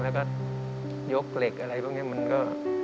แล้วก็ยกเหล็กอะไรพวกนี้มันก็